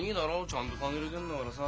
ちゃんと金入れてんだからさ。